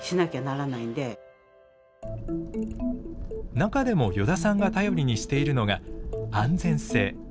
中でも依田さんが頼りにしているのが安全性。